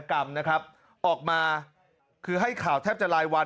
กรรมนะครับออกมาคือให้ข่าวแทบจะรายวัน